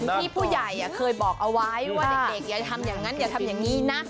ที่ผู้ใหญ่เคยบอกเอาไว้ว่าเด็กอย่าทำอย่างนั้นอย่าทำอย่างนี้นะ